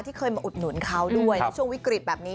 เคยมาอุดหนุนเขาด้วยในช่วงวิกฤตแบบนี้